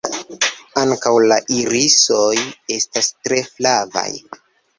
Ankaŭ la irisoj estas tre flavaj.